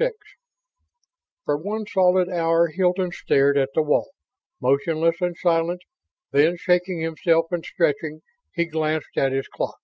VI For one solid hour Hilton stared at the wall, motionless and silent. Then, shaking himself and stretching, he glanced at his clock.